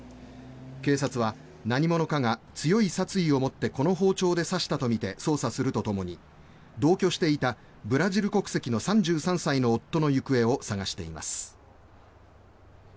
警察は何者かが強い殺意を持ってこの包丁で刺したとみて捜査するとともに同居していたブラジル国籍の３３歳の夫の行方を捜しています。